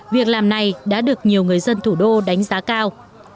việc làm này đã được nhiều người dân thủ đô đánh giá cao